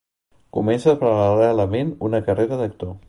Comença paral·lelament una carrera d'actor.